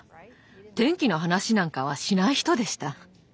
天気の話なんかはしない人でした。